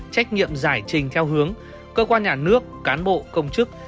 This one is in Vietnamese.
trách nhiệm giải trình theo hướng cơ quan nhà nước cán bộ công chức